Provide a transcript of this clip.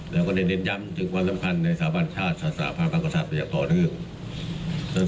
แล้วก็เน้นย้ำถึงความสำคัญในสถาบันชาติสถาบันประสาทตัวอย่างต่อเนื่อง